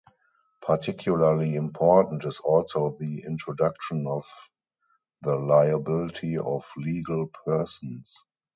Particularly important is also the introduction of the liability of legal persons.